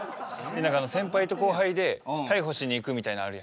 先輩と後輩で逮捕しに行くみたいなのあるやん。